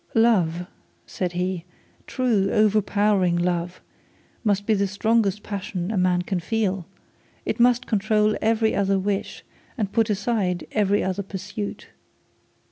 'Love,' said he, 'true overpowering love, must be the strongest passion a man can feel; it must control every other wish, and put aside every other pursuit.